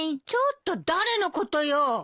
ちょっと誰のことよ。